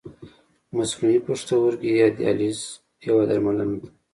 مصنوعي پښتورګی یا دیالیز یوه درملنه ده.